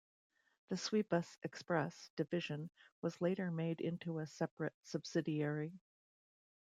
The Swebus Express division was later made into a separate subsidiary.